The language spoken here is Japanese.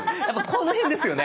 この辺ですよね。